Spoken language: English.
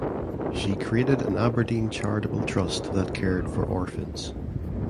She created an Aberdeen charitable trust that cared for orphans.